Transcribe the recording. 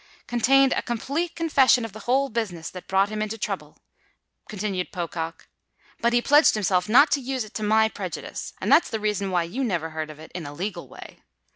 "Contained a complete confession of the whole business that brought him into trouble," continued Pocock. "But he pledged himself not to use it to my prejudice; and that's the reason why you never heard of it in a legal way.